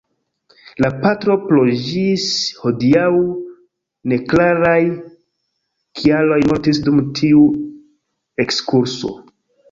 La patro pro ĝis hodiaŭ neklaraj kialoj mortis dum tiu ekskurso.